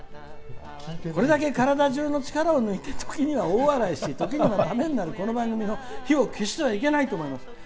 これだけ体じゅうの力を抜いて時には大笑いし、時にはためになるこの番組の火を消してはいけないと思います。